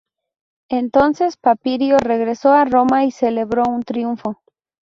Entonces Papirio regresó a Roma, y celebró un triunfo.